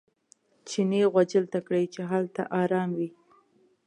چیني غوجل ته کړئ چې هلته ارام وي.